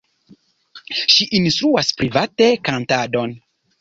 Ŝi instruas private kantadon.